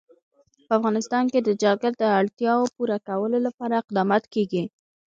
په افغانستان کې د جلګه د اړتیاوو پوره کولو لپاره اقدامات کېږي.